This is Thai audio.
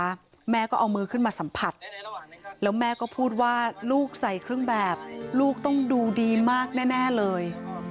แม่ก็เอามือขึ้นมาสัมผัสแล้วแม่ก็พูดว่าลูกใส่เครื่องแบบลูกต้องดูดีมากแน่เลย